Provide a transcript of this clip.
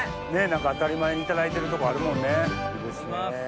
何か当たり前にいただいてるとこあるもんね。